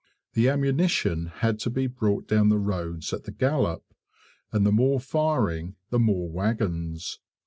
The ammunition had to be brought down the roads at the gallop, and the more firing the more wagons.